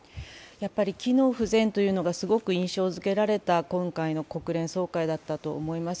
やっぱり機能不全というのがすごく印象づけられた今回の国連総会だと思います。